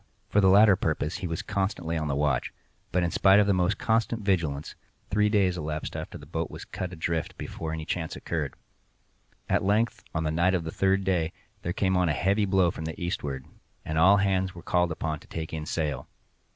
For the latter purpose he was constantly on the watch; but, in spite of the most constant vigilance, three days elapsed after the boat was cut adrift before any chance occurred. At length, on the night of the third day, there came on a heavy blow from the eastward, and all hands were called up to take in sail.